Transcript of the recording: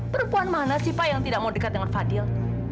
perempuan mana sih pak yang tidak mau dekat dengan fadil